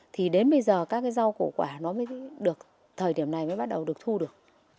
thì đến bây giờ các cái rau củ quả nó mới được thời điểm này mới bắt đầu được thu được